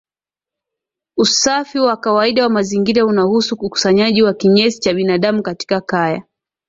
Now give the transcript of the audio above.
Usafi wa kawaida wa mazingira unahusu ukusanyaji wa kinyesi cha binadamu katika kaya